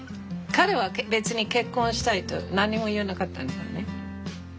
彼は別に結婚したいと何にも言わなかったよね。